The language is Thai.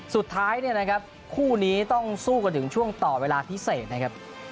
สุดท้ายเนี่ยนะครับคู่นี้ต้องสู้กันถึงช่วงต่อเวลาพิเศษนะครับ